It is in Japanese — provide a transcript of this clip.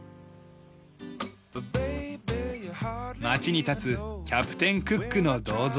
町に立つキャプテン・クックの銅像。